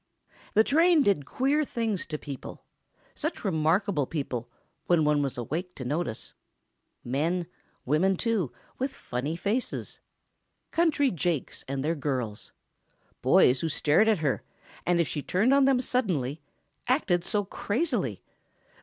The train did queer things to people. Such remarkable people ... when one was awake to notice. Men—women, too—with funny faces. Country jakes and their girls. Boys who stared at her, and if she turned on them suddenly, acted so crazily